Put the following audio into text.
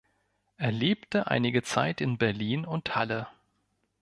Er lebte einige Zeit in Berlin und Halle.